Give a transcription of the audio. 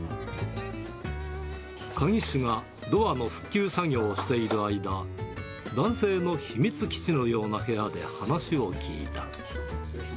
鍵師がドアの復旧作業をしている間、男性の秘密基地のような部屋で話を聞いた。